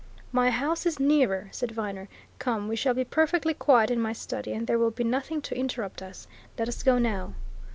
"My house is nearer," said Viner. "Come we shall be perfectly quiet in my study, and there will be nothing to interrupt us. Let us go now."